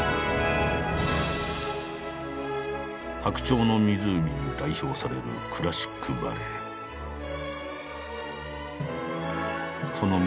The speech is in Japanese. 「白鳥の湖」に代表されるクラシックバレエ。